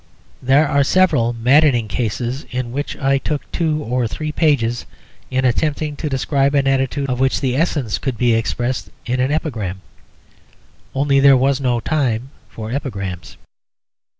There are several maddening cases in which I took two or three pages in attempting to describe an attitude of which the essence could be expressed in an epigram; only there was no time for epigrams.